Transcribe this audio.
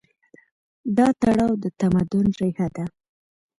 دا تړاو د تمدن ریښه ده.